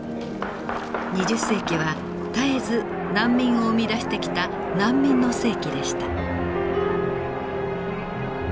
２０世紀は絶えず難民を生み出してきた難民の世紀でした。